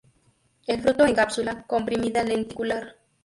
El fruto en cápsula comprimida lenticular.